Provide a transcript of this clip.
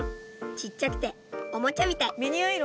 ちっちゃくておもちゃみたい。